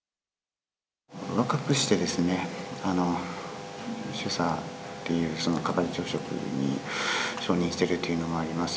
若くして主査という係長職に昇任しているというのもあります